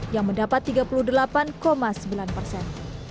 yang mendapat tiga puluh delapan sembilan persen